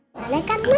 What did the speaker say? boleh kan ma